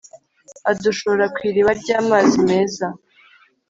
Adushora ku iriba ry’amazi meza